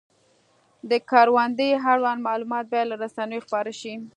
د کروندې اړوند معلومات باید له رسنیو خپاره شي.